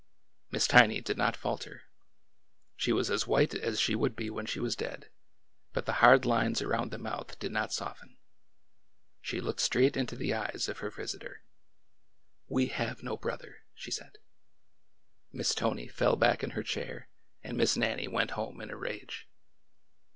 Miss Tiny did not falter. She was as white as she would be when she was dead, but the hard lines around the mouth did not soften. She looked straight into the eyes of her visitor. 2o8 ORDER NO. 11 We have no brother" she said. Miss Tony fell back in her chair and Miss Nannie went home in a rage.